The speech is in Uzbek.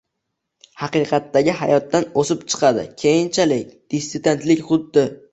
“haqiqatdagi hayotdan” o‘sib chiqadi, keyinchalik dissidentlik xuddi